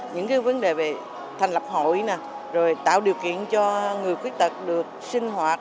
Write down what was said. những cái vấn đề về thành lập hội này rồi tạo điều kiện cho người khuyết tật được sinh hoạt